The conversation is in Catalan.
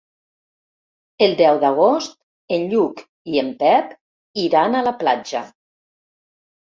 El deu d'agost en Lluc i en Pep iran a la platja.